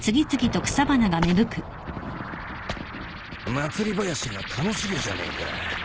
祭りばやしが楽しげじゃねえか。